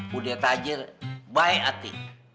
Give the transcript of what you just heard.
budaya tajir baik hati